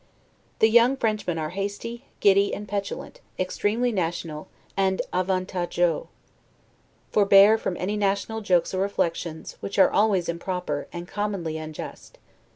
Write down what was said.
The young Frenchmen are hasty, giddy, and petulant; extremely national, and 'avantageux'. Forbear from any national jokes or reflections, which are always improper, and commonly unjust.